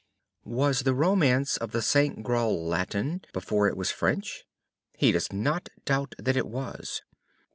Was the romance of the St. Graal Latin, before it was French? He does not doubt that it was.